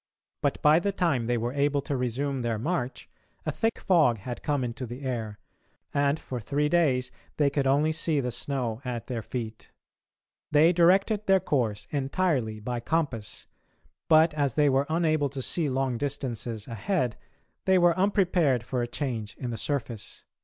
But by the time they were able to resume their march a thick fog had come into the air, and for three days they could only see the snow at their feet. They directed their course entirely by compass, but as they were unable to see long distances ahead, they were unprepared for a change in the surface.